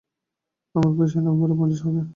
আমার বয়স এই নভেম্বরে পঞ্চাশ হবে।